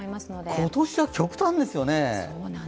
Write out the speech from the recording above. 今年は極端ですよね。